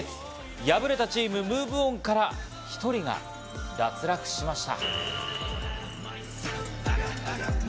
敗れたチームＭｏｖｅＯｎから１人が脱落しました。